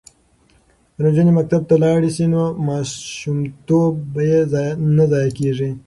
که نجونې مکتب ته لاړې شي نو ماشوم توب به یې نه ضایع کیږي.